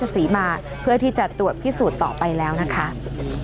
สวัสดีครับ